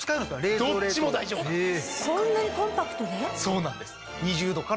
そうなんです。